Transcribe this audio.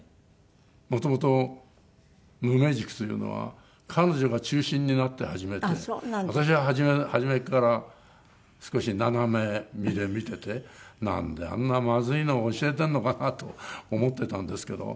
もともと無名塾というのは彼女が中心になって始めて私は初めから少し斜め見ててなんであんなまずいのを教えてるのかなと思ってたんですけど。